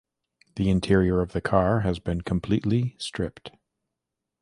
The interior of the car has been completely stripped.